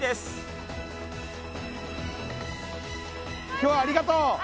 今日はありがとう！